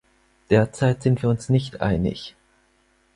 Derzeit sind wir uns nicht einig.